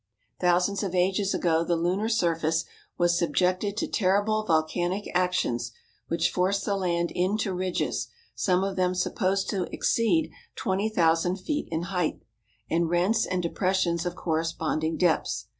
Thousands of ages ago the lunar surface was subjected to terrible volcanic actions which forced the land into ridges, some of them supposed to exceed 20,000 feet in height, and rents and depressions of corresponding depths.